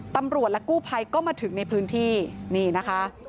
ตำรวจและกู้ภัยก็มาถึงในพื้นที่นี่นะคะ